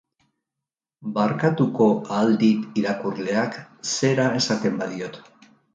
Barkatuko ahal dit irakurleak zera esaten badiot.